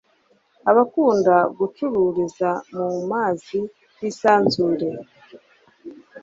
abakunda gucururiza mu mazi y'isanzure